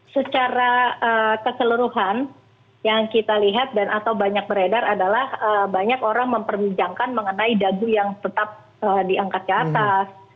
secara keseluruhan yang kita lihat dan atau banyak beredar adalah banyak orang memperbincangkan mengenai dagu yang tetap diangkat ke atas